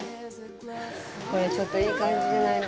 これ、ちょっといい感じじゃないの？